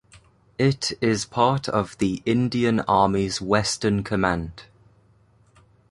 It is part of the Indian Army's Western Command.